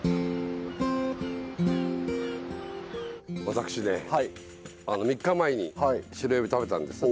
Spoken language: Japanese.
私ね３日前にシロエビ食べたんです。